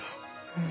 うん。